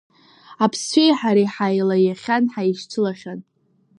Аԥсцәеи ҳареи ҳаилаиан, ҳаишьцылахьан.